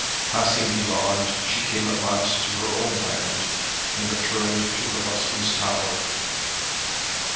Passing beyond she came at last to her own land, and returned to her husband's tower.